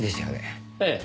ええ。